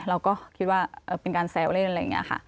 เราก็คิดว่าเป็นการแซวเล่นอะไรอย่างนี้ค่ะ